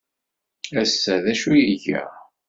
Ass-a, d acu ay iga?